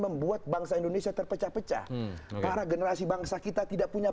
memang ada seperti itu ya